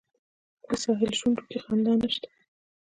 د ساحل شونډو کې خندا نشته